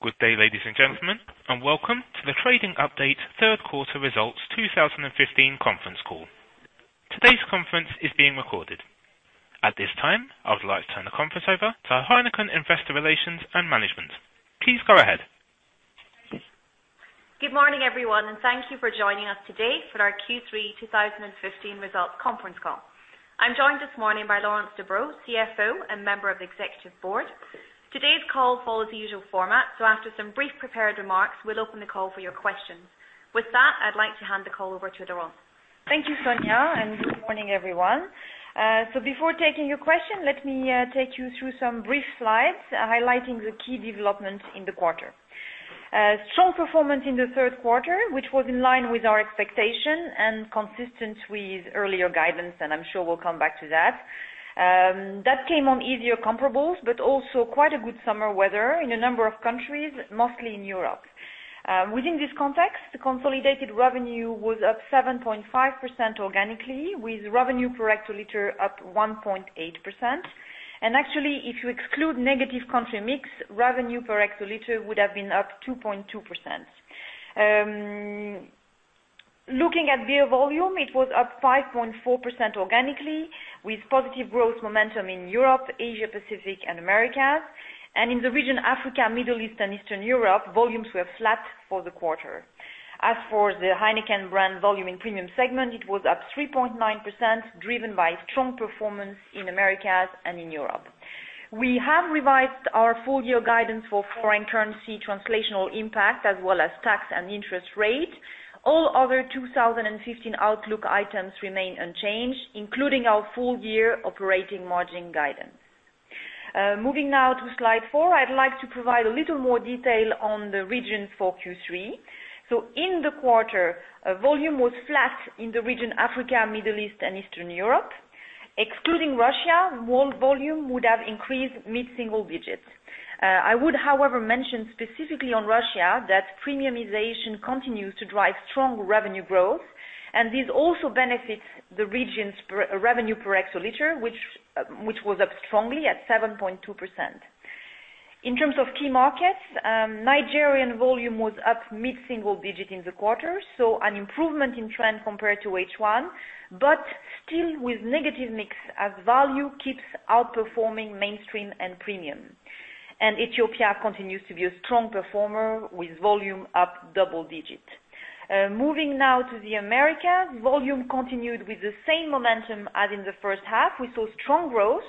Good day, ladies and gentlemen, welcome to the trading update third quarter results 2015 conference call. Today's conference is being recorded. At this time, I would like to turn the conference over to Heineken Investor Relations and Management. Please go ahead. Good morning, everyone, thank you for joining us today for our Q3 2015 results conference call. I'm joined this morning by Laurence Debroux, CFO and member of the Executive Board. Today's call follows the usual format, after some brief prepared remarks, we'll open the call for your questions. With that, I'd like to hand the call over to Laurence. Thank you, Sonia, good morning, everyone. Before taking your question, let me take you through some brief slides highlighting the key developments in the quarter. Strong performance in the third quarter, which was in line with our expectation and consistent with earlier guidance, I'm sure we'll come back to that. That came on easier comparables, also quite a good summer weather in a number of countries, mostly in Europe. Within this context, the consolidated revenue was up 7.5% organically, with revenue per hectoliter up 1.8%. Actually, if you exclude negative country mix, revenue per hectoliter would have been up 2.2%. Looking at beer volume, it was up 5.4% organically, with positive growth momentum in Europe, Asia, Pacific and Americas. In the region, Africa, Middle East, and Eastern Europe, volumes were flat for the quarter. As for the Heineken brand volume in premium segment, it was up 3.9%, driven by strong performance in Americas and in Europe. We have revised our full year guidance for foreign currency translational impact, as well as tax and interest rate. All other 2015 outlook items remain unchanged, including our full year operating margin guidance. Moving now to slide four. I'd like to provide a little more detail on the region for Q3. In the quarter, volume was flat in the region, Africa, Middle East, and Eastern Europe. Excluding Russia, world volume would have increased mid-single digits. I would, however, mention specifically on Russia that premiumization continues to drive strong revenue growth, this also benefits the region's revenue per hectoliter, which was up strongly at 7.2%. In terms of key markets, Nigerian volume was up mid-single-digit in the quarter, so an improvement in trend compared to H1, but still with negative mix as value keeps outperforming mainstream and premium. Ethiopia continues to be a strong performer with volume up double-digit. Moving now to the Americas. Volume continued with the same momentum as in the first half. We saw strong growth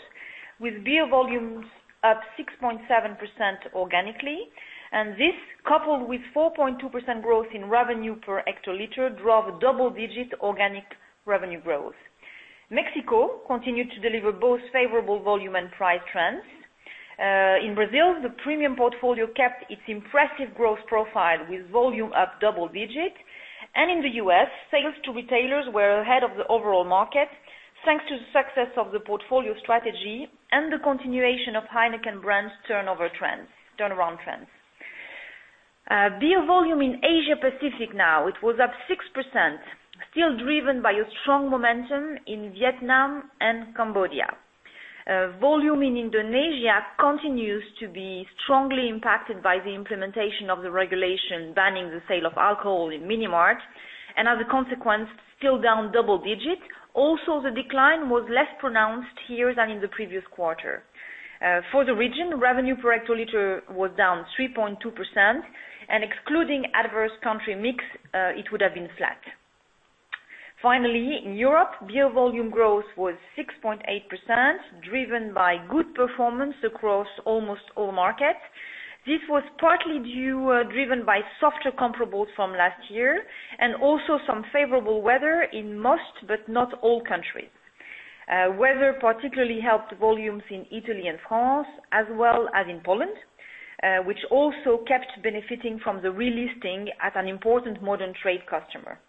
with beer volumes up 6.7% organically, and this coupled with 4.2% growth in revenue per hectoliter, drove double-digit organic revenue growth. Mexico continued to deliver both favorable volume and price trends. In Brazil, the premium portfolio kept its impressive growth profile with volume up double-digit. In the U.S., sales to retailers were ahead of the overall market, thanks to the success of the portfolio strategy and the continuation of Heineken brands turnaround trends. Beer volume in Asia Pacific now. It was up 6%, still driven by a strong momentum in Vietnam and Cambodia. Volume in Indonesia continues to be strongly impacted by the implementation of the regulation banning the sale of alcohol in mini marts, and as a consequence, still down double-digit. The decline was less pronounced here than in the previous quarter. For the region, revenue per hectoliter was down 3.2%, and excluding adverse country mix, it would have been flat. Finally, in Europe, beer volume growth was 6.8%, driven by good performance across almost all markets. This was partly driven by softer comparables from last year and some favorable weather in most, but not all countries. Weather particularly helped volumes in Italy and France as well as in Poland, which also kept benefiting from the relisting at an important modern trade customer.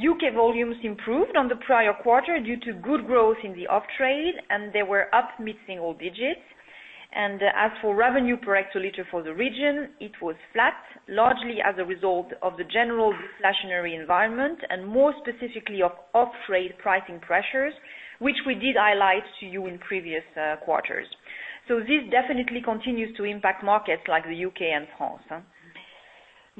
U.K. volumes improved on the prior quarter due to good growth in the off-trade, and they were up mid-single-digits. As for revenue per hectoliter for the region, it was flat, largely as a result of the general discretionary environment and more specifically of off-trade pricing pressures, which we did highlight to you in previous quarters. This definitely continues to impact markets like the U.K. and France.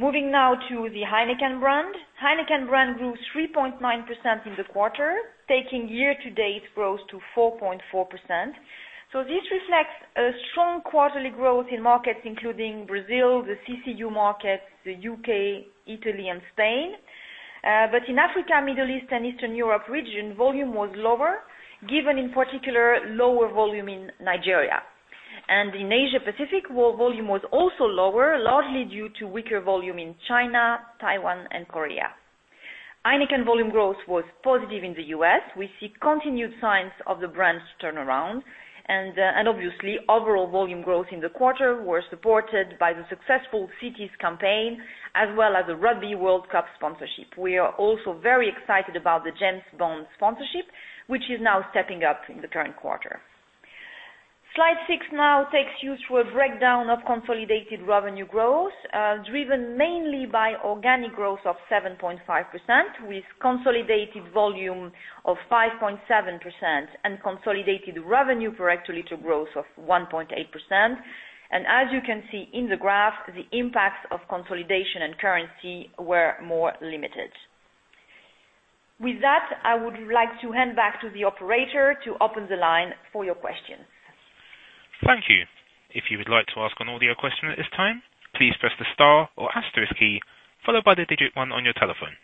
Moving now to the Heineken brand. Heineken brand grew 3.9% in the quarter, taking year-to-date growth to 4.4%. This reflects a strong quarterly growth in markets including Brazil, the CCU markets, the U.K., Italy, and Spain. In Africa, Middle East, and Eastern Europe region, volume was lower, given in particular lower volume in Nigeria. In Asia Pacific, volume was also lower, largely due to weaker volume in China, Taiwan, and Korea. Heineken volume growth was positive in the U.S. We see continued signs of the brand's turnaround, obviously overall volume growth in the quarter were supported by the successful Cities campaign as well as the Rugby World Cup sponsorship. We are also very excited about the James Bond sponsorship, which is now stepping up in the current quarter. Slide six now takes you through a breakdown of consolidated revenue growth, driven mainly by organic growth of 7.5%, with consolidated volume of 5.7% and consolidated revenue per hectoliter growth of 1.8%. As you can see in the graph, the impacts of consolidation and currency were more limited. With that, I would like to hand back to the operator to open the line for your questions. Thank you. If you would like to ask an audio question at this time, please press the star or asterisk key, followed by the 1 on your telephone.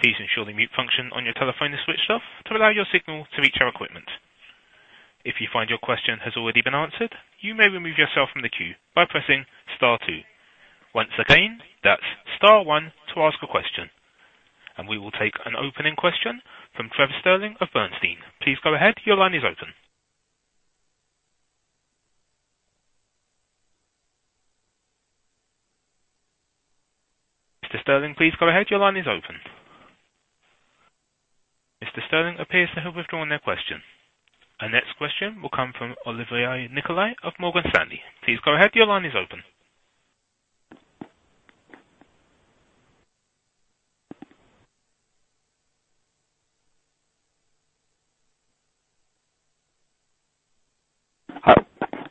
Please ensure the mute function on your telephone is switched off to allow your signal to reach our equipment. If you find your question has already been answered, you may remove yourself from the queue by pressing star 2. Once again, that's star 1 to ask a question. We will take an opening question from Trevor Stirling of Bernstein. Please go ahead. Your line is open. Mr. Stirling, please go ahead. Your line is open. Mr. Stirling appears to have withdrawn their question. Our next question will come from Olivier Nicolai of Morgan Stanley. Please go ahead. Your line is open.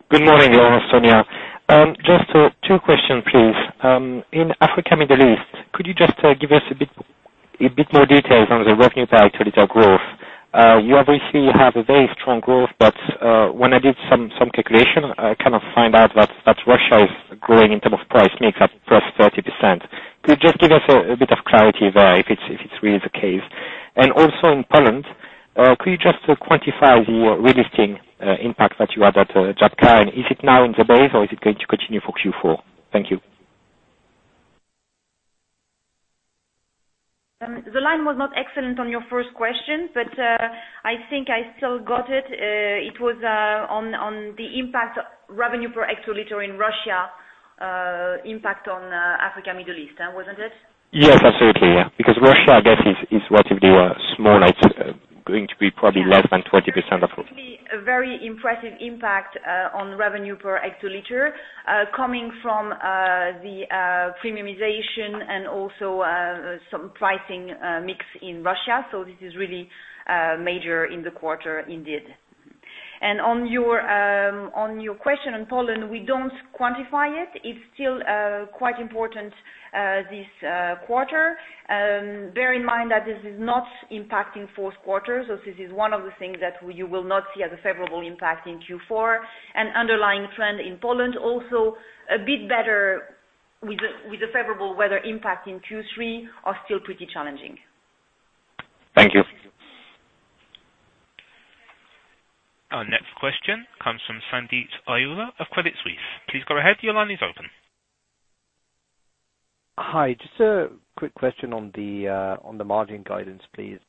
Good morning, Laura, Sonia. Just 2 question, please. In Africa, Middle East, could you just give us a bit more details on the revenue per hectoliter growth? You obviously have a very strong growth, but when I did some calculation, I cannot find out that Russia is growing in term of price mix at +30%. Could you just give us a bit of clarity there, if it's really the case? Also in Poland, could you just quantify the relisting impact that you had at Żywiec, is it now in the base or is it going to continue for Q4? Thank you. The line was not excellent on your first question, but I think I still got it. It was on the impact revenue per hectoliter in Russia, impact on Africa, Middle East, wasn't it? Yes, absolutely. Yeah. Russia, I guess, is relatively small. It's going to be probably less than 20% of- A very impressive impact on revenue per hectoliter coming from the premiumization and also some pricing mix in Russia. This is really major in the quarter, indeed. On your question on Poland, we don't quantify it. It's still quite important this quarter. Bear in mind that this is not impacting fourth quarter. This is one of the things that you will not see as a favorable impact in Q4. Underlying trend in Poland, also a bit better with the favorable weather impact in Q3 are still pretty challenging. Thank you. Our next question comes from Sanjeet Aujla of Credit Suisse. Please go ahead. Your line is open. Hi. Just a quick question on the margin guidance, please.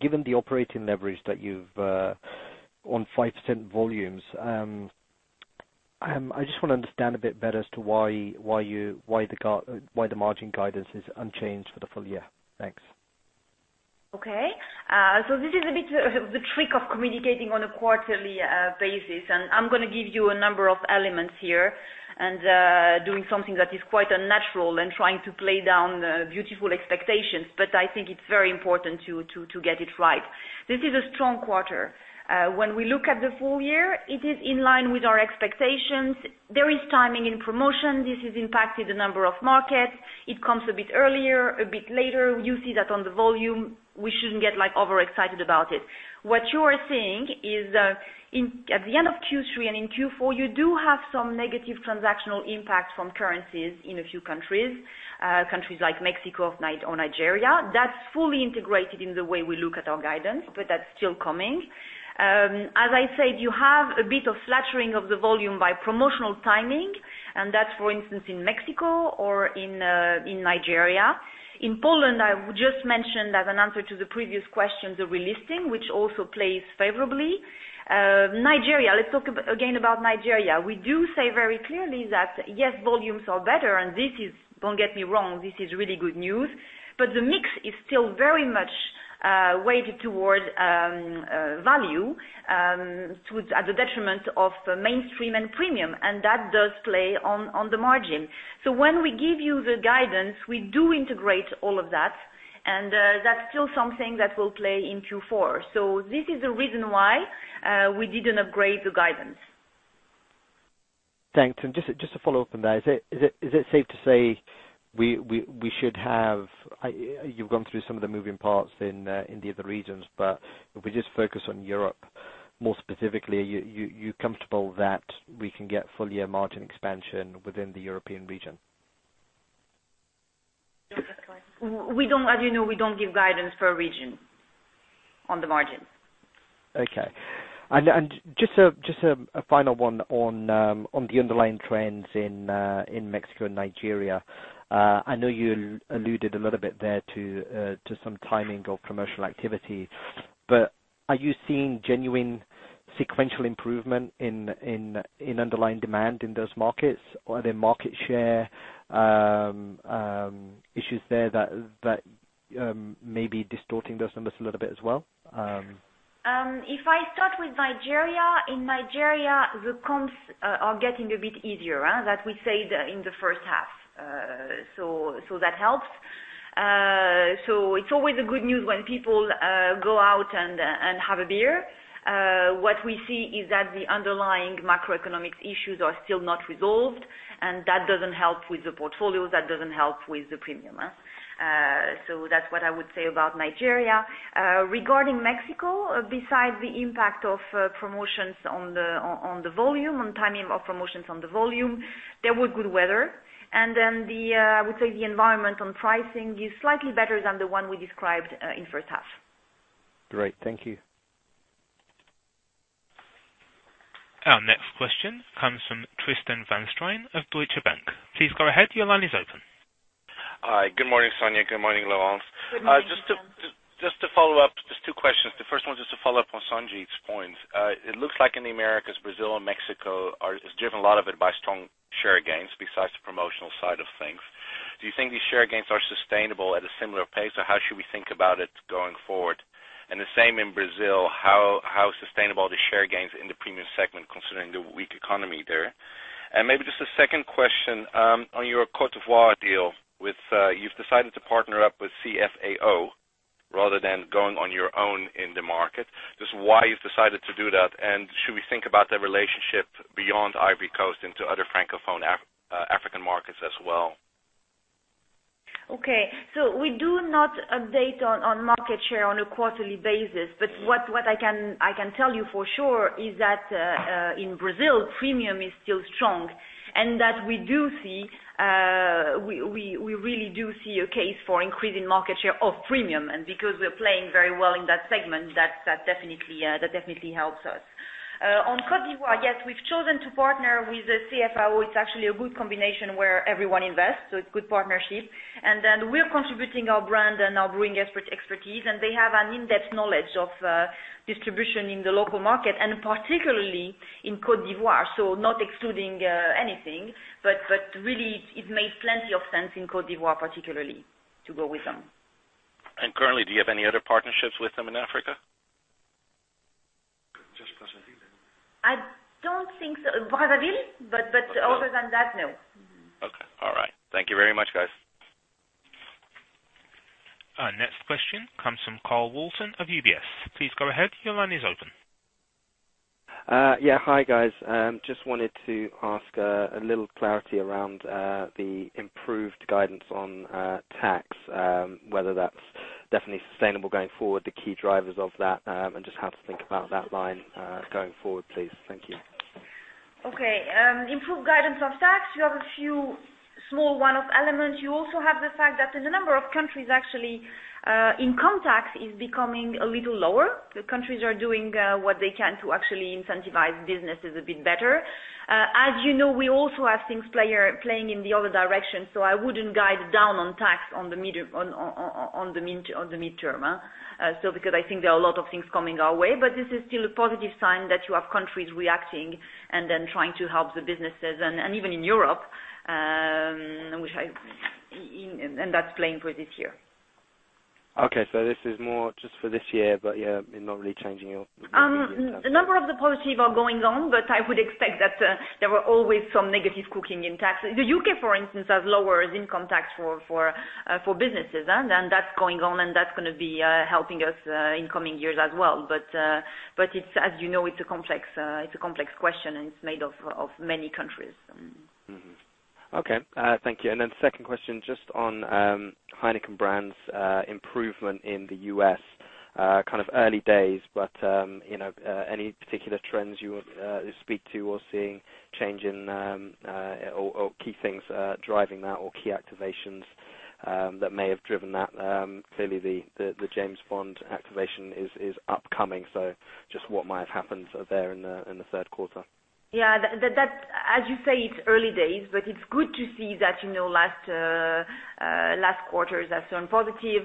Given the operating leverage that you've on 5% volumes, I just want to understand a bit better as to why the margin guidance is unchanged for the full year. Thanks. This is a bit the trick of communicating on a quarterly basis, and I'm going to give you a number of elements here and doing something that is quite unnatural and trying to play down beautiful expectations, but I think it's very important to get it right. This is a strong quarter. When we look at the full year, it is in line with our expectations. There is timing in promotion. This has impacted a number of markets. It comes a bit earlier, a bit later. You see that on the volume. We shouldn't get overexcited about it. What you are seeing is at the end of Q3 and in Q4, you do have some negative transactional impact from currencies in a few countries. Countries like Mexico or Nigeria. That's fully integrated in the way we look at our guidance, but that's still coming. As I said, you have a bit of fluttering of the volume by promotional timing, and that's, for instance, in Mexico or in Nigeria. In Poland, I just mentioned as an answer to the previous question, the relisting, which also plays favorably. Nigeria, let's talk again about Nigeria. We do say very clearly that, yes, volumes are better, and don't get me wrong, this is really good news, but the mix is still very much weighted towards value at the detriment of mainstream and premium, and that does play on the margin. When we give you the guidance, we do integrate all of that, and that's still something that will play in Q4. This is the reason why we didn't upgrade the guidance. Thanks. Just to follow up on that, is it safe to say you've gone through some of the moving parts in the other regions, but if we just focus on Europe, more specifically, are you comfortable that we can get full year margin expansion within the European region? As you know, we don't give guidance for a region on the margin. Okay. Just a final one on the underlying trends in Mexico and Nigeria. I know you alluded a little bit there to some timing of commercial activity, but are you seeing genuine sequential improvement in underlying demand in those markets? Or are there market share issues there that maybe distorting those numbers a little bit as well? If I start with Nigeria, in Nigeria, the comps are getting a bit easier. That we say in the first half. That helps. It's always good news when people go out and have a beer. What we see is that the underlying macroeconomic issues are still not resolved, that doesn't help with the portfolio. That doesn't help with the premium. That's what I would say about Nigeria. Regarding Mexico, besides the impact of promotions on the volume, on timing of promotions on the volume, there was good weather. Then, I would say the environment on pricing is slightly better than the one we described in first half. Great. Thank you. Our next question comes from Tristan van Strien of Deutsche Bank. Please go ahead. Your line is open. Hi. Good morning, Sonja. Good morning, Laurence. Good morning, Tristan. Just to follow up, just two questions. The first one is just to follow up on Sanjit's point. It looks like in the Americas, Brazil and Mexico is driven a lot of it by strong share gains besides the promotional side of things. Do you think these share gains are sustainable at a similar pace, or how should we think about it going forward? The same in Brazil, how sustainable are the share gains in the premium segment, considering the weak economy there? Maybe just a second question, on your Cote d'Ivoire deal, you've decided to partner up with CFAO rather than going on your own in the market. Just why you've decided to do that, and should we think about the relationship beyond Ivory Coast into other Francophone African markets as well? Okay. We do not update on market share on a quarterly basis. What I can tell you for sure is that, in Brazil, premium is still strong, and that we really do see a case for increasing market share of premium. Because we are playing very well in that segment, that definitely helps us. On Cote d'Ivoire, yes, we've chosen to partner with CFAO. It's actually a good combination where everyone invests, so it's good partnership. Then we're contributing our brand and our brewing expertise, and they have an in-depth knowledge of distribution in the local market, and particularly in Cote d'Ivoire. Not excluding anything, but really, it made plenty of sense in Cote d'Ivoire, particularly, to go with them. Currently, do you have any other partnerships with them in Africa? Just Côte d'Ivoire. I don't think so. Brazzaville, but other than that, no. Okay. All right. Thank you very much, guys. Our next question comes from Carl Walton of UBS. Please go ahead. Your line is open. Yeah. Hi, guys. Just wanted to ask a little clarity around the improved guidance on tax, whether that's definitely sustainable going forward, the key drivers of that, and just how to think about that line going forward, please. Thank you. Okay. Improved guidance on tax, you have a few small one-off elements. You also have the fact that in a number of countries actually, income tax is becoming a little lower. The countries are doing what they can to actually incentivize businesses a bit better. As you know, we also have things playing in the other direction. I wouldn't guide down on tax on the midterm. Because I think there are a lot of things coming our way. This is still a positive sign that you have countries reacting and then trying to help the businesses, and even in Europe, and that's playing for this year. Okay. This is more just for this year, yeah, not really changing your medium term. A number of the policies are going on, but I would expect that there were always some negative cooking in tax. The U.K., for instance, has lowered income tax for businesses. That's going on, and that's going to be helping us in coming years as well. As you know, it's a complex question, and it's made of many countries. Mm-hmm. Okay. Thank you. Second question, just on Heineken brand's improvement in the U.S., kind of early days, but any particular trends you would speak to or seeing change in or key things driving that or key activations that may have driven that? Clearly, the James Bond activation is upcoming. Just what might have happened there in the third quarter. Yeah. As you say, it's early days, but it's good to see that last quarter has turned positive.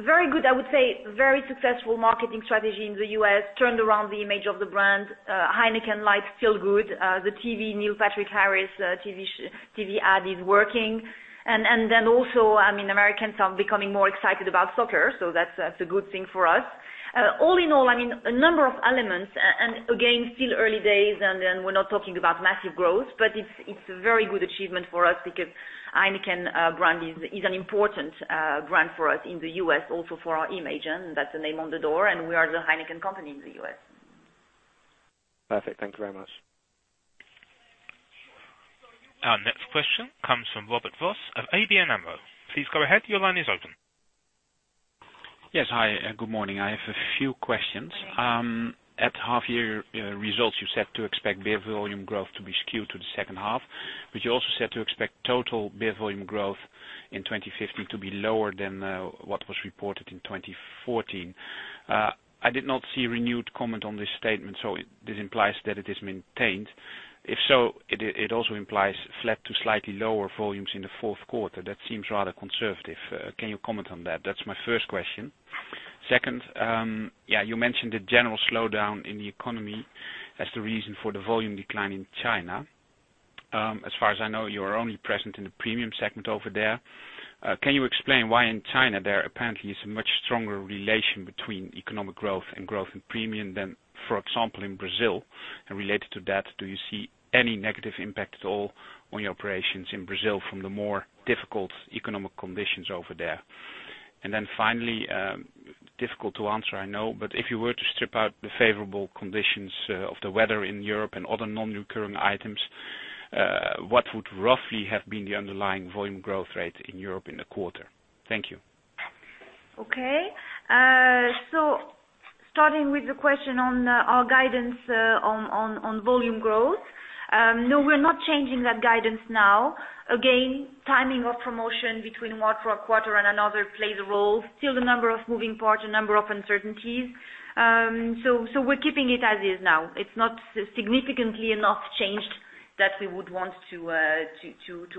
Very good, I would say, very successful marketing strategy in the U.S., turned around the image of the brand. Heineken Light feel good. The TV, Neil Patrick Harris TV ad is working. Also, Americans are becoming more excited about soccer, that's a good thing for us. All in all, a number of elements, again, still early days, we're not talking about massive growth, but it's a very good achievement for us because Heineken brand is an important brand for us in the U.S. also for our image. That's the name on the door, and we are the Heineken company in the U.S. Perfect. Thank you very much. Our next question comes from Robert Voss of ABN AMRO. Please go ahead. Your line is open. Yes. Hi, good morning. I have a few questions. Yeah. At half year results, you said to expect beer volume growth to be skewed to the second half. You also said to expect total beer volume growth in 2015 to be lower than what was reported in 2014. I did not see renewed comment on this statement. This implies that it is maintained. If so, it also implies flat to slightly lower volumes in the fourth quarter. That seems rather conservative. Can you comment on that? That's my first question. Second, you mentioned the general slowdown in the economy as the reason for the volume decline in China. As far as I know, you are only present in the premium segment over there. Can you explain why in China there apparently is a much stronger relation between economic growth and growth in premium than, for example, in Brazil? Related to that, do you see any negative impact at all on your operations in Brazil from the more difficult economic conditions over there? Finally, difficult to answer, I know, if you were to strip out the favorable conditions of the weather in Europe and other non-recurring items, what would roughly have been the underlying volume growth rate in Europe in the quarter? Thank you. Starting with the question on our guidance on volume growth. No, we're not changing that guidance now. Again, timing of promotion between one quarter and another plays a role. Still a number of moving parts, a number of uncertainties. We're keeping it as is now. It's not significantly enough changed that we would want to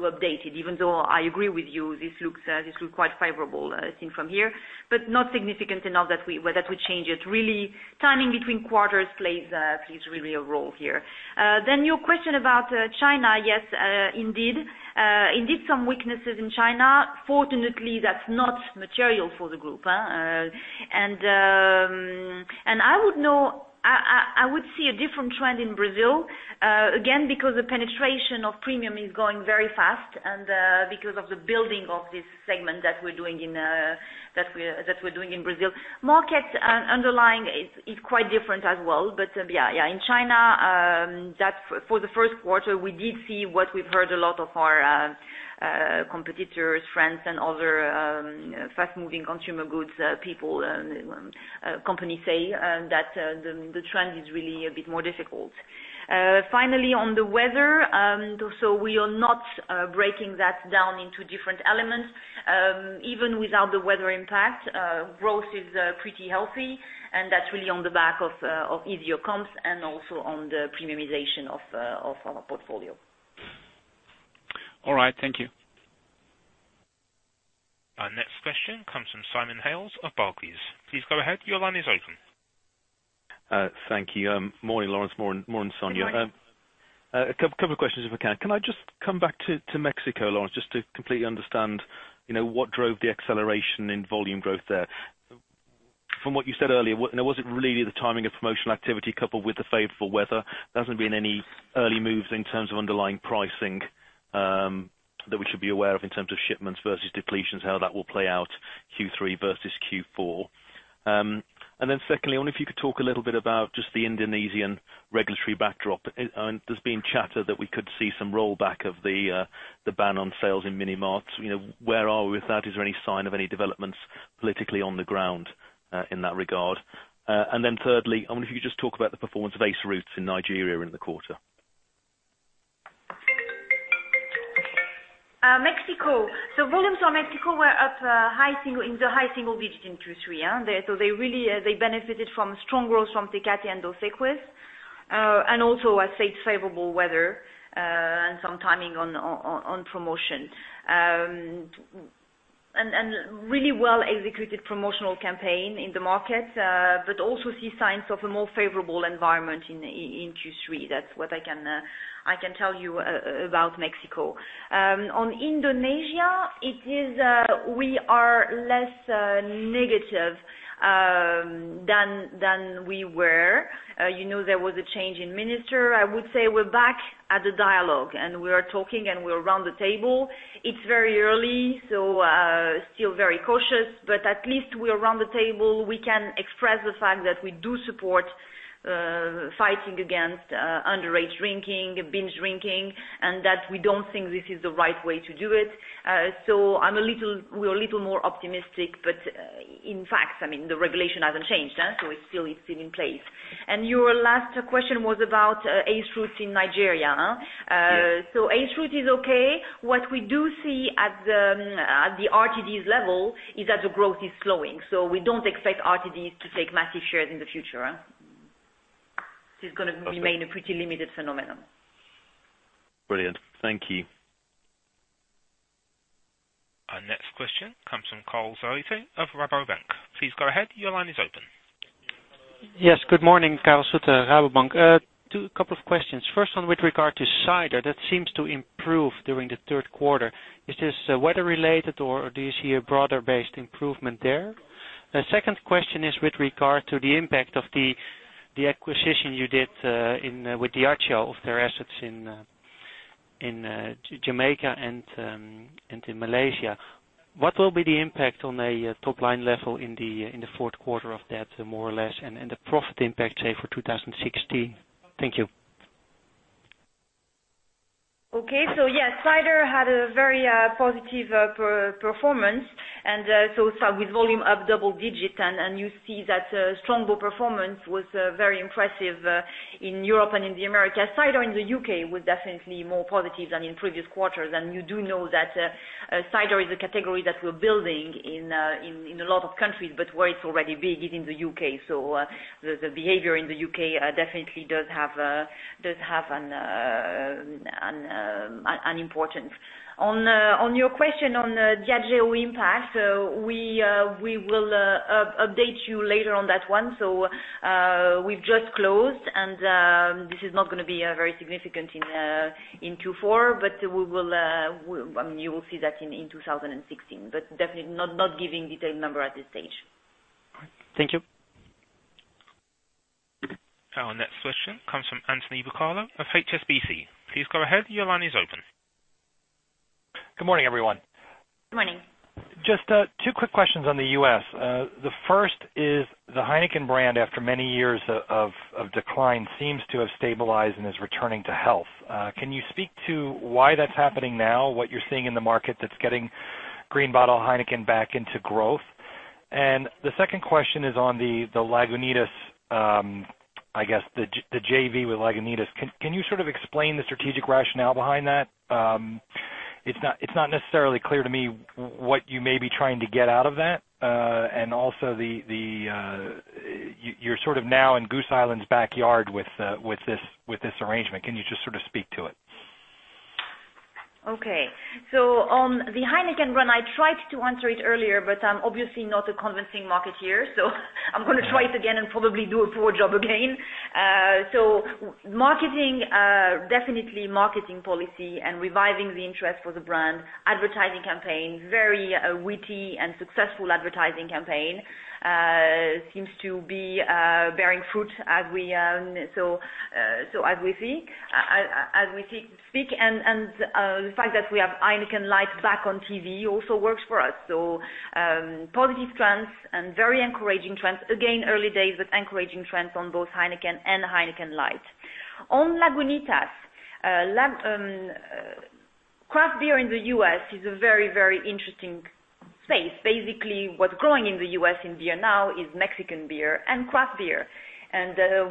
update it, even though I agree with you, this looks quite favorable seen from here, but not significant enough that we change it. Really timing between quarters plays really a role here. Your question about China. Yes, indeed some weaknesses in China. Fortunately, that's not material for the group. I would see a different trend in Brazil, again because the penetration of premium is going very fast and because of the building of this segment that we're doing in Brazil. Market underlying is quite different as well. In China, for the first quarter, we did see what we've heard a lot of our competitors, friends, and other fast-moving consumer goods people, companies say, that the trend is really a bit more difficult. Finally, on the weather, we are not breaking that down into different elements. Even without the weather impact, growth is pretty healthy and that's really on the back of easier comps and also on the premiumization of our portfolio. All right. Thank you. Our next question comes from Simon Hales of Barclays. Please go ahead. Your line is open. Thank you. Morning, Laurence. Morning, Sonia. Good morning. A couple of questions, if I can. Can I just come back to Mexico, Laurence, just to completely understand what drove the acceleration in volume growth there? From what you said earlier, was it really the timing of promotional activity coupled with the favorable weather? There hasn't been any early moves in terms of underlying pricing that we should be aware of in terms of shipments versus depletions, how that will play out Q3 versus Q4. Secondly, I wonder if you could talk a little bit about just the Indonesian regulatory backdrop. There's been chatter that we could see some rollback of the ban on sales in mini marts. Where are we with that? Is there any sign of any developments politically on the ground in that regard? Thirdly, I wonder if you could just talk about the performance of Ace Roots in Nigeria in the quarter. Mexico. Volumes from Mexico were up in the high single digits in Q3. They benefited from strong growth from Tecate and Dos Equis, and also I'd say it's favorable weather, and some timing on promotion. Really well-executed promotional campaign in the market, but also see signs of a more favorable environment in Q3. That's what I can tell you about Mexico. On Indonesia, we are less negative than we were. You know, there was a change in minister. I would say we're back at the dialogue, and we are talking, and we're around the table. It's very early, still very cautious, but at least we're around the table. We can express the fact that we do support fighting against underage drinking, binge drinking, and that we don't think this is the right way to do it. We're a little more optimistic, but in fact, the regulation hasn't changed. It's still in place. Your last question was about Ace Roots in Nigeria. Yes. Ace Roots is okay. What we do see at the RTDs level is that the growth is slowing. We don't expect RTDs to take massive shares in the future. This is going to remain a pretty limited phenomenon. Brilliant. Thank you. Our next question comes from Karel Zoete of Rabobank. Please go ahead. Your line is open. Yes, good morning. Karel Zoete, Rabobank. Two couple of questions. First one with regard to cider. That seems to improve during the third quarter. Is this weather related or do you see a broader based improvement there? The second question is with regard to the impact of the acquisition you did with Diageo of their assets in Jamaica and in Malaysia. What will be the impact on a top-line level in the fourth quarter of that, more or less? The profit impact, say, for 2016. Thank you. Okay. Yes, cider had a very positive performance, with volume up double digit, and you see that Strongbow performance was very impressive in Europe and in the Americas. Cider in the U.K. was definitely more positive than in previous quarters. You do know that cider is a category that we're building in a lot of countries, but where it's already big is in the U.K. The behavior in the U.K. definitely does have an important. On your question on Diageo impact, we will update you later on that one. We've just closed and this is not going to be very significant in Q4, but you will see that in 2016, but definitely not giving detailed number at this stage. All right. Thank you. Our next question comes from Anthony Bucalo of HSBC. Please go ahead. Your line is open. Good morning, everyone. Good morning. Just two quick questions on the U.S. The first is the Heineken brand after many years of decline seems to have stabilized and is returning to health. Can you speak to why that's happening now, what you're seeing in the market that's getting green bottle Heineken back into growth? The second question is on the Lagunitas, I guess, the JV with Lagunitas. Can you sort of explain the strategic rationale behind that? It's not necessarily clear to me what you may be trying to get out of that. Also you're sort of now in Goose Island's backyard with this arrangement. Can you just sort of speak to it? Okay. On the Heineken brand, I tried to answer it earlier, but I'm obviously not a convincing marketeer, I'm going to try it again and probably do a poor job again. Definitely marketing policy and reviving the interest for the brand, advertising campaign, very witty and successful advertising campaign seems to be bearing fruit as we speak. The fact that we have Heineken Light back on TV also works for us. Positive trends and very encouraging trends. Again, early days, but encouraging trends on both Heineken and Heineken Light. On Lagunitas. Craft beer in the U.S. is a very, very interesting space. Basically, what's growing in the U.S. in beer now is Mexican beer and craft beer.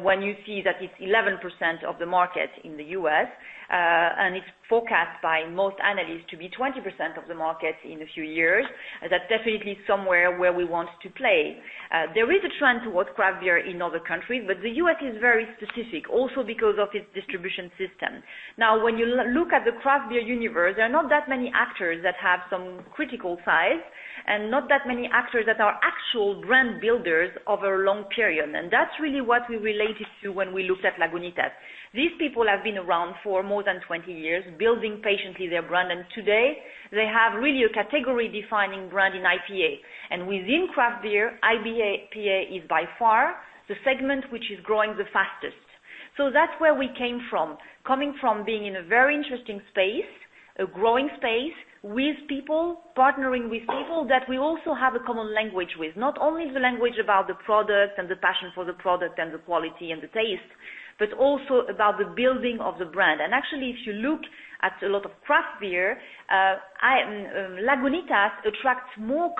When you see that it's 11% of the market in the U.S., and it's forecast by most analysts to be 20% of the market in a few years, that's definitely somewhere where we want to play. There is a trend towards craft beer in other countries, but the U.S. is very specific also because of its distribution system. When you look at the craft beer universe, there are not that many actors that have some critical size and not that many actors that are actual brand builders over a long period. That's really what we related to when we looked at Lagunitas. These people have been around for more than 20 years, building patiently their brand, and today they have really a category-defining brand in IPA. Within craft beer, IPA is by far the segment which is growing the fastest. That's where we came from, coming from being in a very interesting space, a growing space with people, partnering with people that we also have a common language with. Not only the language about the product and the passion for the product and the quality and the taste, but also about the building of the brand. Actually, if you look at a lot of craft beer, Lagunitas attracts more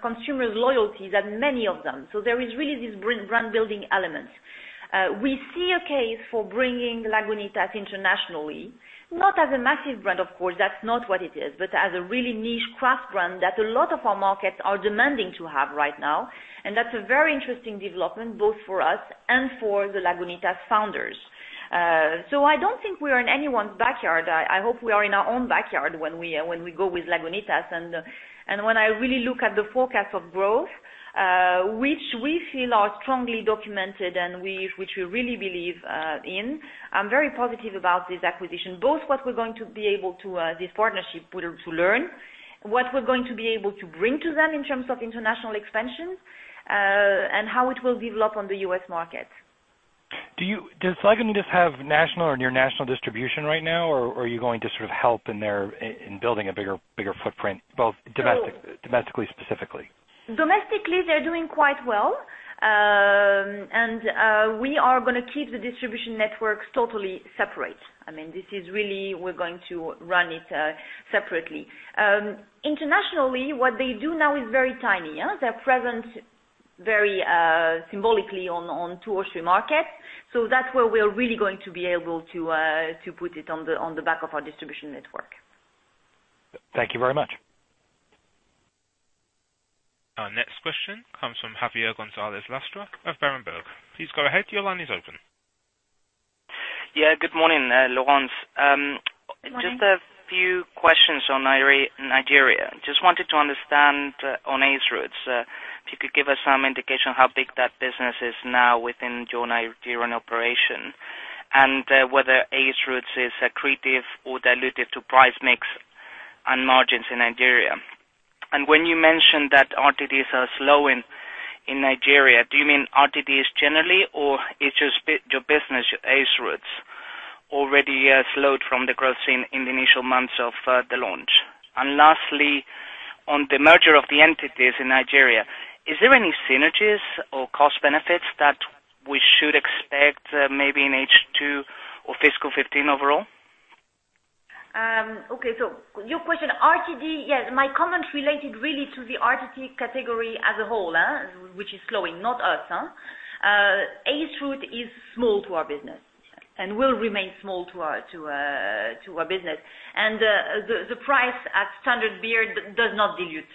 consumer loyalty than many of them. There is really this brand building element. We see a case for bringing Lagunitas internationally, not as a massive brand of course, that's not what it is, but as a really niche craft brand that a lot of our markets are demanding to have right now. That's a very interesting development, both for us and for the Lagunitas founders. I don't think we're in anyone's backyard. I hope we are in our own backyard when we go with Lagunitas. When I really look at the forecast of growth, which we feel are strongly documented and which we really believe in, I'm very positive about this acquisition. Both what we're going to be able to, this partnership, to learn, what we're going to be able to bring to them in terms of international expansion, and how it will develop on the U.S. market. Does Lagunitas have national or near national distribution right now? Or are you going to sort of help in building a bigger footprint, both domestically specifically? Domestically, they're doing quite well. We are going to keep the distribution networks totally separate. This is really, we're going to run it separately. Internationally, what they do now is very tiny. They're present very symbolically on two or three markets. That's where we are really going to be able to put it on the back of our distribution network. Thank you very much. Our next question comes from Javier Gonzalez Lastra of Berenberg. Please go ahead. Your line is open. Good morning. Good morning. Just a few questions on Nigeria. Just wanted to understand on Ace Roots, if you could give us some indication how big that business is now within your Nigerian operation and whether Ace Roots is accretive or dilutive to price mix and margins in Nigeria. When you mentioned that RTDs are slowing in Nigeria, do you mean RTDs generally, or it's just your business, Ace Roots already slowed from the growth seen in the initial months of the launch? Lastly, on the merger of the entities in Nigeria, is there any synergies or cost benefits that we should expect maybe in H2 or fiscal 2015 overall? Okay. Your question, RTD, yes, my comments related really to the RTD category as a whole, which is slowing, not us. Ace Roots is small to our business and will remain small to our business. The price at standard beer does not dilute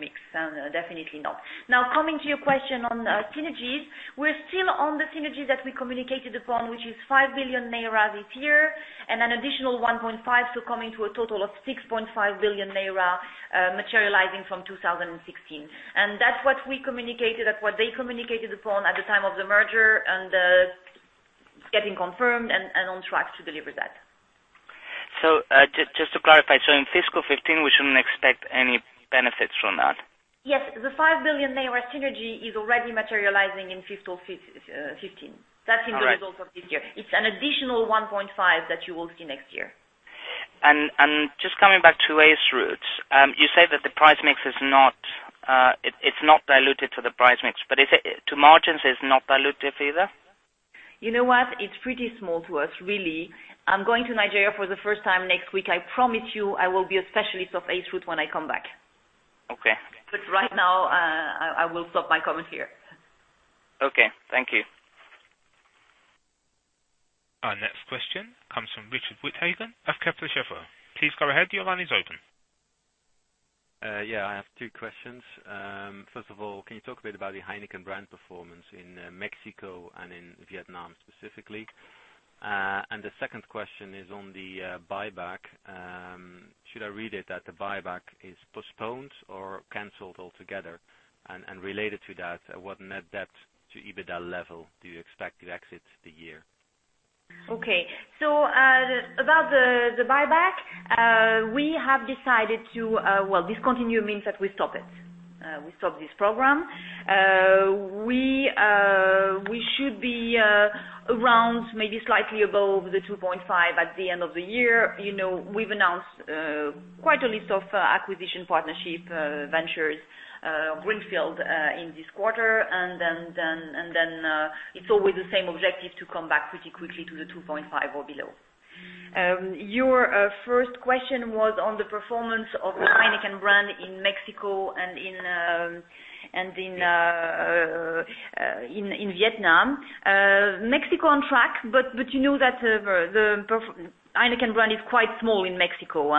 mix, definitely not. Now, coming to your question on synergies. We're still on the synergies that we communicated upon, which is 5 billion naira this year, an additional 1.5 billion naira, coming to a total of 6.5 billion naira materializing from 2016. That's what we communicated, and what they communicated upon at the time of the merger, and it's getting confirmed and on track to deliver that. Just to clarify, in fiscal 2015, we shouldn't expect any benefits from that? Yes. The 5 billion naira synergy is already materializing in fiscal 2015. All right. That's in the results of this year. It's an additional 1.5 that you will see next year. Just coming back to Ace Roots. You say that it's not diluted to the price mix. To margins, it's not dilutive either? You know what? It's pretty small to us, really. I'm going to Nigeria for the first time next week. I promise you, I will be a specialist of Ace Roots when I come back. Okay. Right now, I will stop my comment here. Okay. Thank you. Our next question comes from Richard Withagen of Kepler Cheuvreux. Please go ahead. Your line is open. Yeah. I have two questions. First of all, can you talk a bit about the Heineken brand performance in Mexico and in Vietnam specifically? The second question is on the buyback. Should I read it that the buyback is postponed or canceled altogether? Related to that, what net debt to EBITDA level do you expect to exit the year? Okay. About the buyback. Discontinue means that we stop it. We stop this program. We should be around, maybe slightly above the 2.5 at the end of the year. We've announced quite a list of acquisition partnership ventures, greenfield, in this quarter. It's always the same objective to come back pretty quickly to the 2.5 or below. Your first question was on the performance of the Heineken brand in Mexico and in Vietnam. Mexico, on track, but you know that the Heineken brand is quite small in Mexico.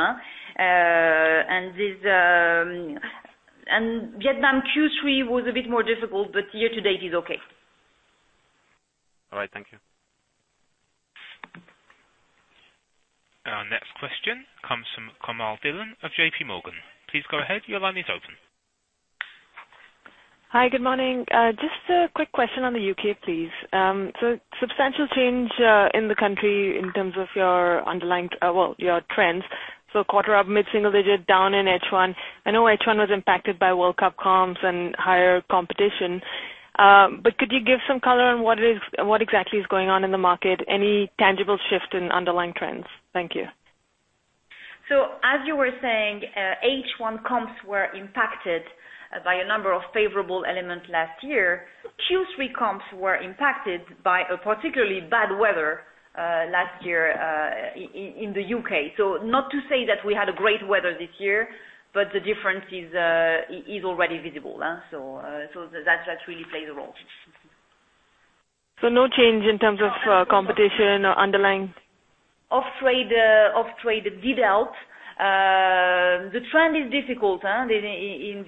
Vietnam Q3 was a bit more difficult, but year to date is okay. All right. Thank you. Our next question comes from Komlan Zutti of J.P. Morgan. Please go ahead. Your line is open. Hi. Good morning. Just a quick question on the U.K., please. Substantial change in the country in terms of your trends. Quarter up mid-single digit, down in H1. I know H1 was impacted by World Cup comps and higher competition. Could you give some color on what exactly is going on in the market? Any tangible shift in underlying trends? Thank you. As you were saying, H1 comps were impacted by a number of favorable elements last year. Q3 comps were impacted by a particularly bad weather last year in the U.K. Not to say that we had a great weather this year, the difference is already visible. That really plays a role. No change in terms of competition underlying? Off-trade did well. The trend is difficult in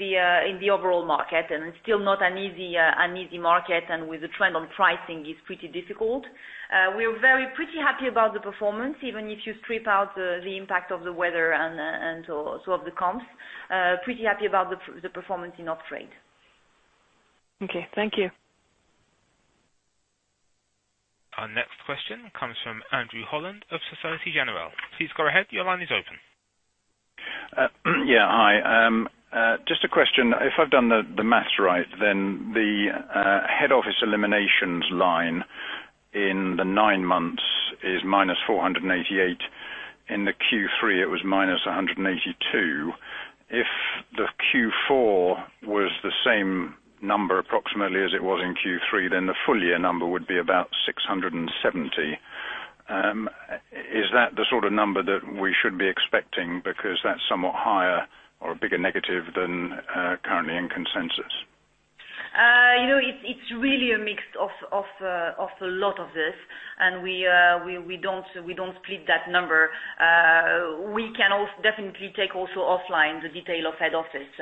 the overall market, and it is still not an easy market, and with the trend on pricing, it is pretty difficult. We are pretty happy about the performance, even if you strip out the impact of the weather and so of the comps. Pretty happy about the performance in off-trade. Okay. Thank you. Our next question comes from Andrew Holland of Societe Generale. Please go ahead. Your line is open. Hi. Just a question. If I have done the math right, then the head office eliminations line in the nine months is -488. In the Q3, it was -182. If the Q4 was the same number approximately as it was in Q3, then the full year number would be about 670. Is that the sort of number that we should be expecting? That is somewhat higher or a bigger negative than currently in consensus. It's really a mix of a lot of this. We don't split that number. We can definitely take also offline the detail of head office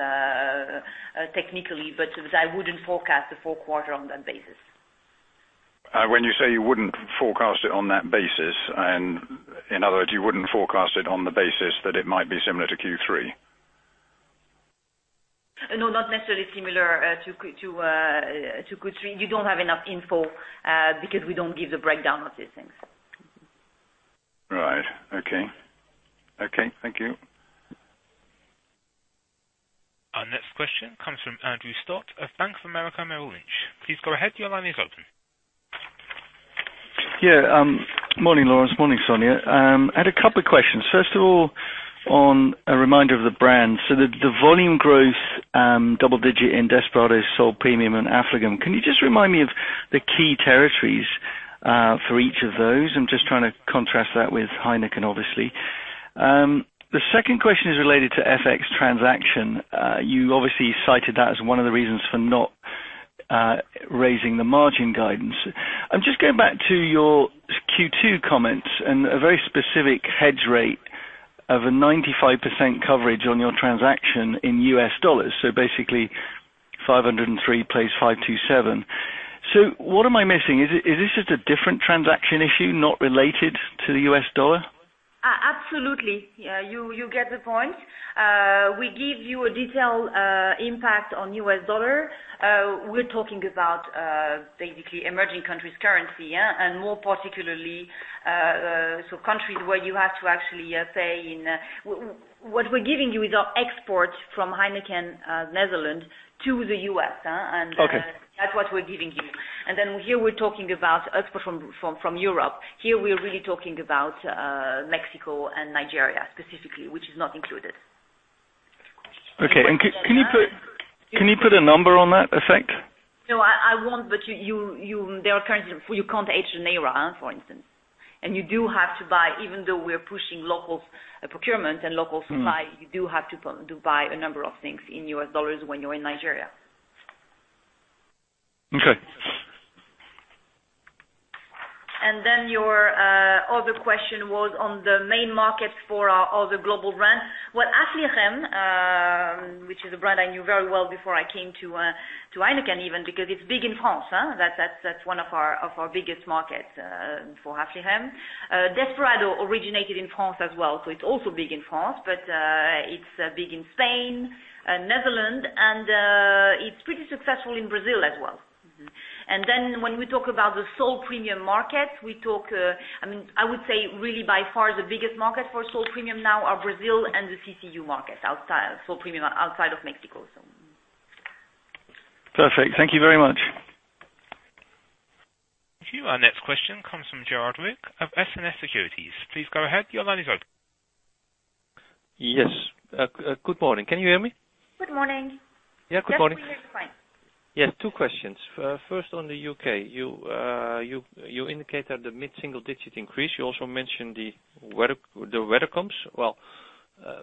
technically. I wouldn't forecast the full quarter on that basis. When you say you wouldn't forecast it on that basis, in other words, you wouldn't forecast it on the basis that it might be similar to Q3? No, not necessarily similar to Q3. You don't have enough info, we don't give the breakdown of these things. Right. Okay. Thank you. Our next question comes from Andrew Stott of Bank of America Merrill Lynch. Please go ahead. Your line is open. Morning, Laurence. Morning, Sonja. I had a couple of questions. First of all, on a reminder of the brand. The volume growth double digit in Desperados, Sol, and Affligem. Can you just remind me of the key territories for each of those? I am just trying to contrast that with Heineken, obviously. The second question is related to FX transaction. You obviously cited that as one of the reasons for not raising the margin guidance. Just going back to your Q2 comments and a very specific hedge rate of a 95% coverage on your transaction in US dollars. Basically, 503 plays 527. What am I missing? Is this just a different transaction issue not related to the US dollar? Absolutely. You get the point. We give you a detailed impact on US dollar. We are talking about basically emerging countries' currency, and more particularly, countries where you have to actually pay in. What we are giving you is our exports from Heineken, Netherlands to the U.S. Okay. That is what we are giving you. Here we are talking about export from Europe. Here, we are really talking about Mexico and Nigeria specifically, which is not included. Okay. Can you put a number on that effect? No, I won't, there are currencies you can't hedge the naira, for instance. You do have to buy, even though we're pushing local procurement and local supply, you do have to buy a number of things in US dollars when you're in Nigeria. Okay. Your other question was on the main markets for all the global brands. Affligem, which is a brand I knew very well before I came to Heineken even because it's big in France. That's one of our biggest markets for Affligem. Desperados originated in France as well, so it's also big in France, but it's big in Spain and Netherlands and it's pretty successful in Brazil as well. Mm-hmm. When we talk about the Sol premium market, I would say really by far the biggest market for Sol premium now are Brazil and the CCU market, Sol premium outside of Mexico, so mm-hmm. Perfect. Thank you very much. Thank you. Our next question comes from Gerard Rijk of SNS Securities. Please go ahead. Your line is open. Yes. Good morning. Can you hear me? Good morning. Yeah, good morning. Yes, we hear you fine. Two questions. First, on the U.K. You indicated the mid-single digit increase. You also mentioned the weather comes.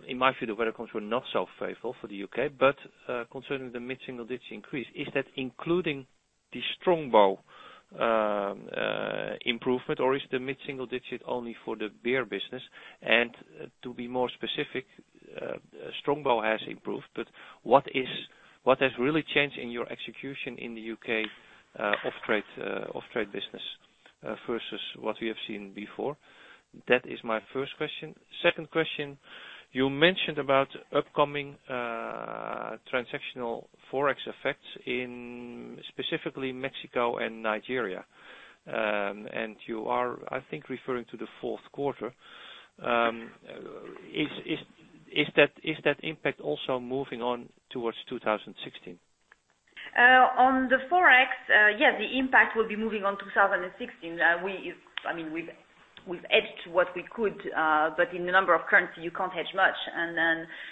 In my view, the weather comes were not so favorable for the U.K., but concerning the mid-single digit increase, is that including the Strongbow improvement or is the mid-single digit only for the beer business? To be more specific, Strongbow has improved, but what has really changed in your execution in the U.K. off-trade business versus what we have seen before? That is my first question. Second question, you mentioned about upcoming transactional Forex effects in specifically Mexico and Nigeria. You are, I think, referring to the fourth quarter. Is that impact also moving on towards 2016? On the Forex, yes, the impact will be moving on 2016. We've hedged what we could, but in the number of currency, you can't hedge much.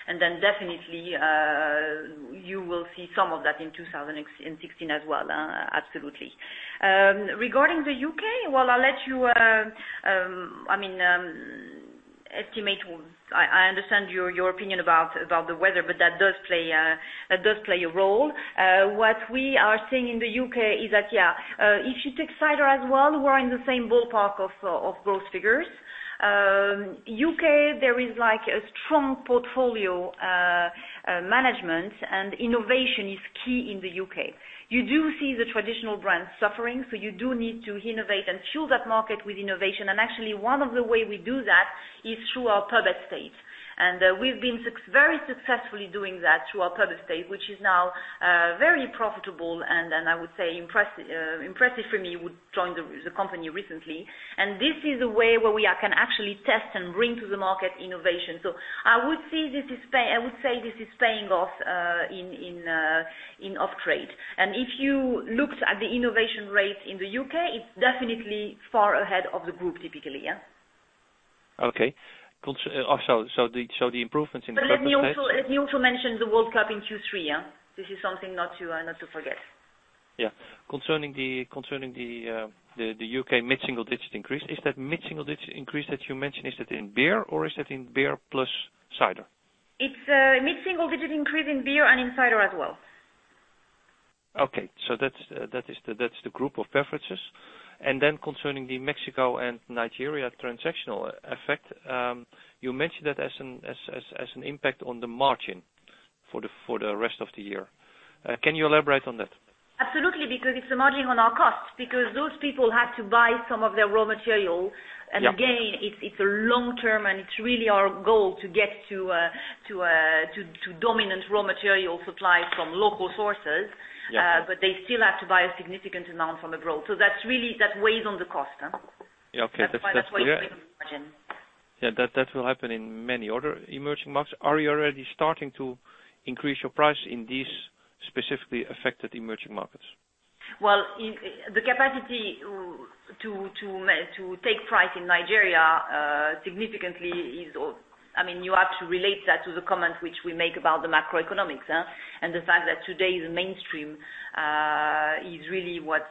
Definitely, you will see some of that in 2016 as well. Absolutely. Regarding the U.K., well, I'll let you estimate. I understand your opinion about the weather, but that does play a role. What we are seeing in the U.K. is that, if you take cider as well, we're in the same ballpark of growth figures. U.K., there is a strong portfolio management and innovation is key in the U.K. You do see the traditional brands suffering, so you do need to innovate and fill that market with innovation. Actually, one of the way we do that is through our pub estate. We've been very successfully doing that through our pub estate, which is now very profitable and I would say impressive for me, who joined the company recently. This is a way where we can actually test and bring to the market innovation. I would say this is paying off in off-trade. If you looked at the innovation rate in the U.K., it's definitely far ahead of the group typically. The improvements in the pub estate. Let me also mention the World Cup in Q3. This is something not to forget. Concerning the U.K. mid-single digit increase, is that mid-single digit increase that you mentioned, is it in beer or is it in beer plus cider? It's a mid-single digit increase in beer and in cider as well. That's the group of preferences. Then concerning the Mexico and Nigeria transactional effect, you mentioned that as an impact on the margin for the rest of the year. Can you elaborate on that? Absolutely, because it's a margin on our cost, because those people have to buy some of their raw material. Yeah. Again, it's long-term, and it's really our goal to get to dominant raw material supply from local sources. Yeah. They still have to buy a significant amount from abroad. That weighs on the cost. Yeah, okay. That's why it's even margin. Yeah, that will happen in many other emerging markets. Are you already starting to increase your price in these specifically affected emerging markets? The capacity to take price in Nigeria. You have to relate that to the comment which we make about the macroeconomics. The fact that today the mainstream is really what's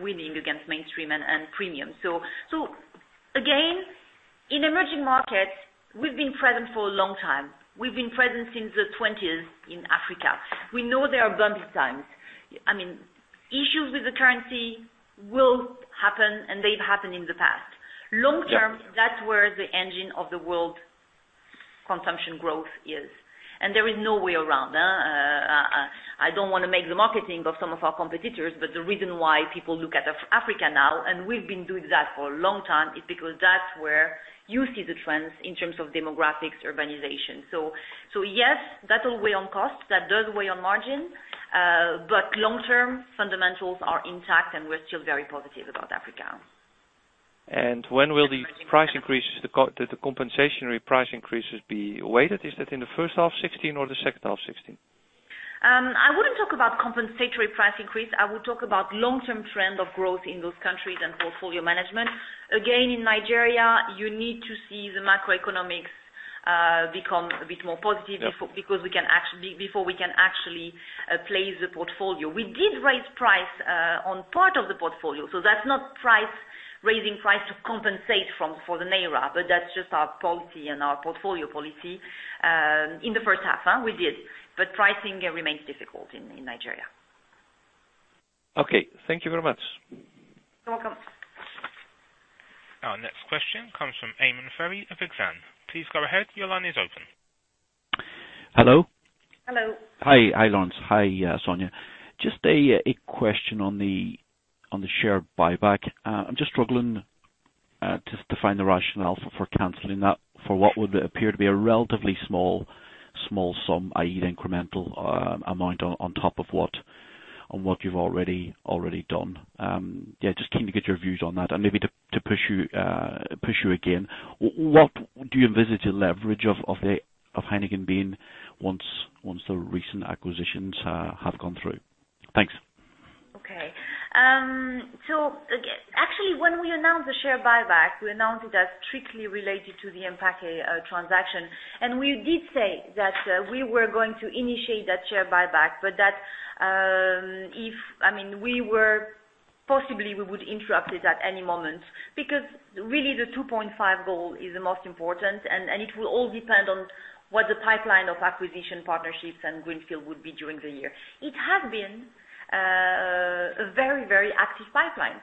winning against mainstream and premium. In emerging markets, we've been present for a long time. We've been present since the '20s in Africa. We know there are bumpy times. Issues with the currency will happen, and they've happened in the past. Yeah That's where the engine of the world consumption growth is. There is no way around. I don't want to make the marketing of some of our competitors. The reason why people look at Africa now, and we've been doing that for a long time, is because that's where you see the trends in terms of demographics, urbanization. Yes, that will weigh on cost, that does weigh on margin. Long-term fundamentals are intact, and we're still very positive about Africa. When will the price increases, the compensation price increases, be weighted? Is that in the first half 2016 or the second half 2016? I wouldn't talk about compensatory price increase. I would talk about long-term trend of growth in those countries and portfolio management. Again, in Nigeria, you need to see the macroeconomics become a bit more positive- Yeah before we can actually place the portfolio. We did raise price on part of the portfolio. That's not raising price to compensate for the naira. That's just our policy and our portfolio policy. In the first half, we did. Pricing remains difficult in Nigeria. Okay. Thank you very much. You're welcome. Our next question comes from Eamonn Ferry of Exane. Please go ahead. Your line is open. Hello. Hello. Hi, Laurence. Hi, Sonja. Just a question on the share buyback. I'm just struggling to find the rationale for canceling that for what would appear to be a relatively small sum, i.e. incremental amount on top of what you've already done. Yeah, just keen to get your views on that and maybe to push you again, what do you envisage the leverage of Heineken being once the recent acquisitions have gone through? Thanks. Actually, when we announced the share buyback, we announced it as strictly related to the EMPAQUE transaction, and we did say that we were going to initiate that share buyback, but that possibly we would interrupt it at any moment. Because really the 2.5 goal is the most important, and it will all depend on what the pipeline of acquisition partnerships and greenfield would be during the year. It has been a very active pipeline.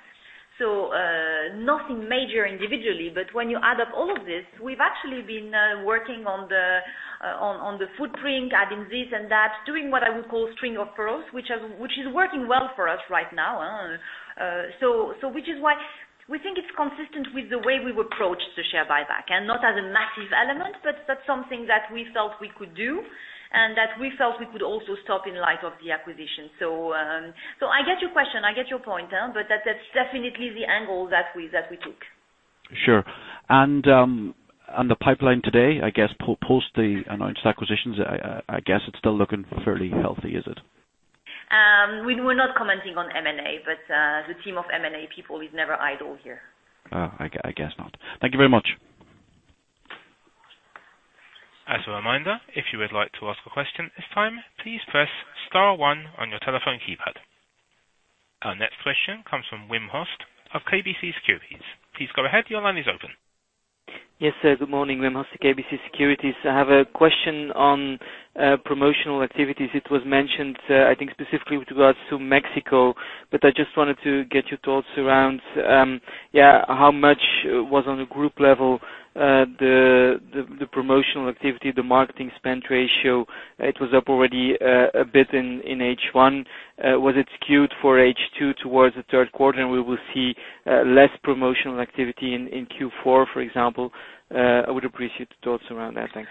Nothing major individually, but when you add up all of this, we've actually been working on the footprint, adding this and that, doing what I would call string of pearls, which is working well for us right now. Which is why we think it's consistent with the way we approach the share buyback, and not as a massive element, but that's something that we felt we could do, and that we felt we could also stop in light of the acquisition. I get your question, I get your point. That's definitely the angle that we took. Sure. The pipeline today, I guess post the announced acquisitions, I guess it's still looking fairly healthy, is it? We're not commenting on M&A, the team of M&A people is never idle here. Oh, I guess not. Thank you very much. As a reminder, if you would like to ask a question this time, please press star 1 on your telephone keypad. Our next question comes from Wim Hoste of KBC Securities. Please go ahead. Your line is open. Yes, sir. Good morning, Wim Hoste, KBC Securities. I have a question on promotional activities. It was mentioned, I think specifically with regards to Mexico, but I just wanted to get your thoughts around how much was on the group level, the promotional activity, the marketing spend ratio. It was up already a bit in H1. Was it skewed for H2 towards the third quarter, and we will see less promotional activity in Q4, for example? I would appreciate your thoughts around that. Thanks.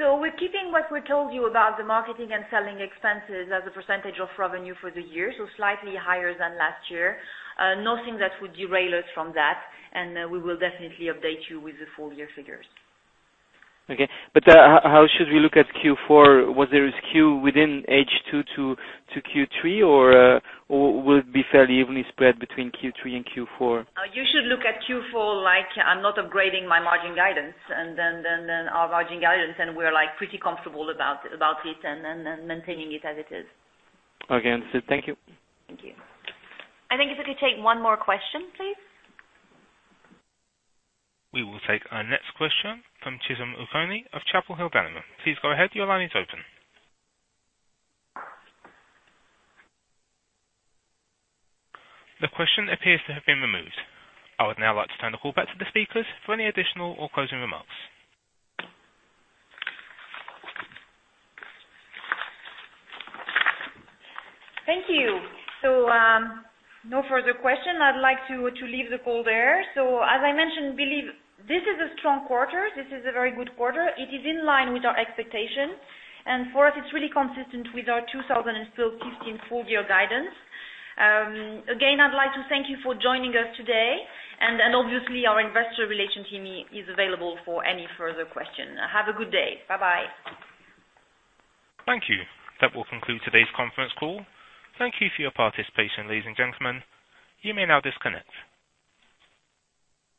We're keeping what we told you about the marketing and selling expenses as a % of revenue for the year, slightly higher than last year. Nothing that would derail us from that, and we will definitely update you with the full year figures. Okay. How should we look at Q4? Was there a skew within H2 to Q3, or will it be fairly evenly spread between Q3 and Q4? You should look at Q4 like I'm not upgrading my margin guidance. Our margin guidance, and we're pretty comfortable about it and maintaining it as it is. Okay. Thank you. Thank you. I think if we could take one more question, please. We will take our next question from Chisom Ukonu of Chapel Hill Denham. Please go ahead. Your line is open. The question appears to have been removed. I would now like to turn the call back to the speakers for any additional or closing remarks. Thank you. No further question. I'd like to leave the call there. As I mentioned, believe this is a strong quarter. This is a very good quarter. It is in line with our expectations, and for us, it's really consistent with our 2015 full-year guidance. Again, I'd like to thank you for joining us today, and obviously, our investor relation team is available for any further question. Have a good day. Bye-bye. Thank you. That will conclude today's conference call. Thank you for your participation, ladies and gentlemen. You may now disconnect.